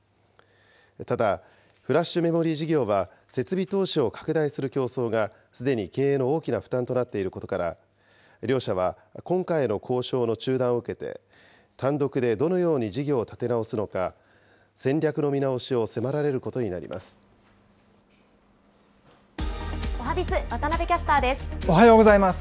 ただ、フラッシュメモリー事業は設備投資を拡大する競争がすでに経営の大きな負担となっていることから、両社は今回の交渉の中断を受けて、単独でどのように事業を立て直すのか、戦略の見直しをおはＢｉｚ、渡部キャスターおはようございます。